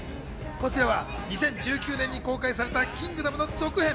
こちらは２０１９年に公開された『キングダム』の続編。